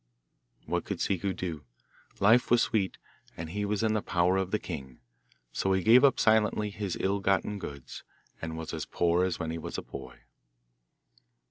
What could Ciccu do? Life was sweet, and he was in the power of the king; so he gave up silently his ill gotten goods, and was as poor as when he was a boy.